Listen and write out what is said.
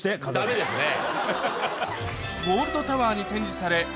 ダメですね。